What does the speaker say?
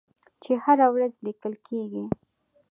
چې هره ورځ لیکل کیږي.